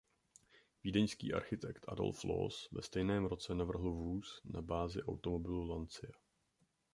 Vídeňský architekt Adolf Loos ve stejném roce navrhl vůz na bázi automobilu Lancia.